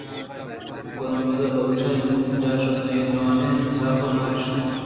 کُرٛمساک بہ گوٛش نُوں کُجا شت تئی جوانیں انصاف ءِ مارشت